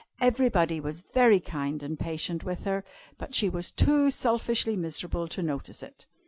Everybody was very kind and patient with her, but she was too selfishly miserable to notice it.